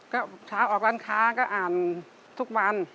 ก็เช้าออกร้านค้าก็อ่านทุกวัน